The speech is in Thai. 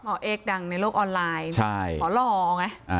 หมอเอ็กษ์ดังในโลกออนไลน์ขอรอไง